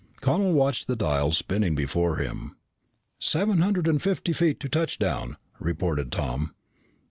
Connel watched the dials spinning before him. "Seven hundred and fifty feet to touchdown," reported Tom.